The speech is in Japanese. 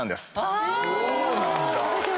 そうなんだ！